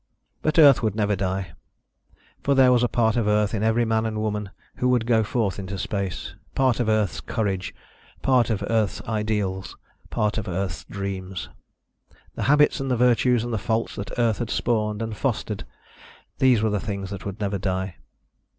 But Earth would never die, for there was a part of Earth in every man and woman who would go forth into space, part of Earth's courage, part of Earth's ideals, part of Earth's dreams. The habits and the virtues and the faults that Earth had spawned and fostered ... these were things that would never die.